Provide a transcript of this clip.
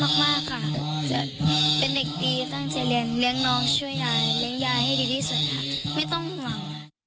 เลี้ยงยายให้ดีสุดค่ะไม่ต้องห่วง